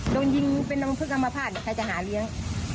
โดนยิงเป็นนมพฤกษ์อำมาภาษณ์ใครจะหาเลี้ยง